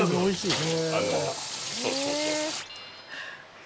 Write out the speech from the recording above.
そうそうそう。